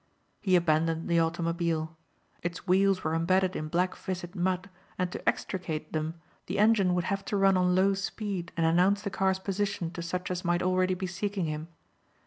He abandoned the automobile. Its wheels were embedded in black viscid mud and to extricate them the engine would have to run on low speed and announce the car's position to such as might already be seeking him.